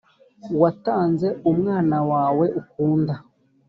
watanze umwana wawe ukunda